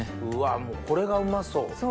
もうこれがうまそう。